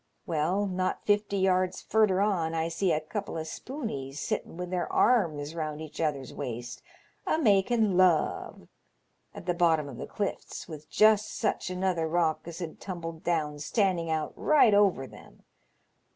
Well, not fifty yards furder on I see a couple o' spooneys sittin' with their arms round each other's waist, a making love, at the bottom of the clifts, with just such another rock as had tumbled down standing out right over them.